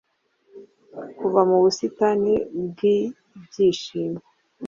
kuva mu busitani bw'ibyishimo